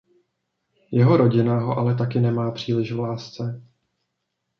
Jeho rodina ho ale taky nemá příliš v lásce.